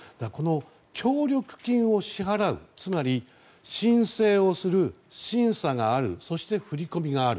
協力金を支払うつまり申請をする審査があるそして振り込みがある。